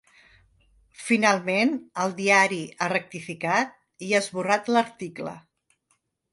Finalment, el diari ha rectificat i ha esborrat l’article.